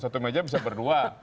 satu meja bisa berdua